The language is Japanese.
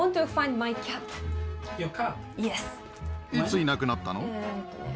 いついなくなったの？